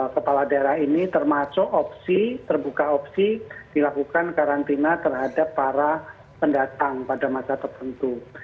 kepala daerah ini termasuk opsi terbuka opsi dilakukan karantina terhadap para pendatang pada masa tertentu